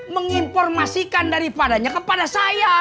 menginformasikan daripadanya kepada saya